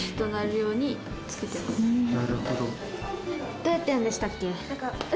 どうやってやるんでしたっけ？